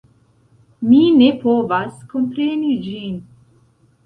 Mi ne povas kompreni ĝin